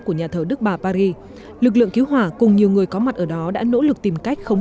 của nhà thờ đức bà paris lực lượng cứu hỏa cùng nhiều người có mặt ở đó đã nỗ lực tìm cách khống